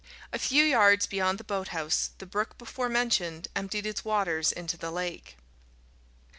A few yards beyond the boathouse the brook before mentioned emptied its waters into the lake.